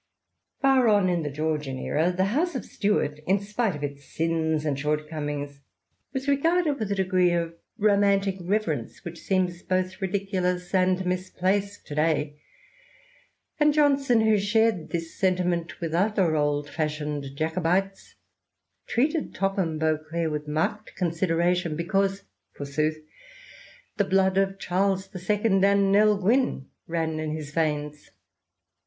Far on in the Georgian era, the House of Stuart, in spite of its sins and short comings, was regarded with a degree of romantic reverence xxii INTRODUCTION. which seems both ridiculous and misplaced to day, and Johnson, who shared this sentiment with other old fashioned Jacobites, treated Topham Beauclerk with marked con sideration, because, forsooth, the blood of Charles II. and Nell Gwynne ran in his veins.